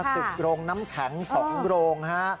ตึกโรงน้ำแข็ง๒โรงฮะ